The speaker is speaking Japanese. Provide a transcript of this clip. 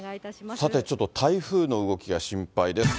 さて、ちょっと台風の動きが心配です。